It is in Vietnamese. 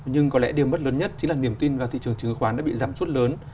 nhưng có lẽ điểm mất lớn nhất chính là niềm tin vào thị trường trứng khoán đã bị giảm suất lớn